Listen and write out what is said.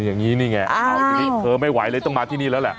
อย่างนี้นี่ไงเอาทีนี้เธอไม่ไหวเลยต้องมาที่นี่แล้วแหละ